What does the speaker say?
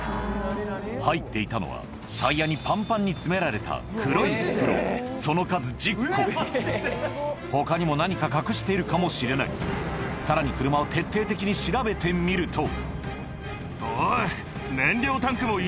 入っていたのはタイヤにパンパンに詰められたその数１０個他にも何か隠しているかもしれないさらに車を徹底的に調べてみるとおい。